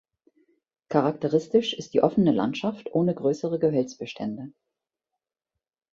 Charakteristisch ist die offene Landschaft ohne größere Gehölzbestände.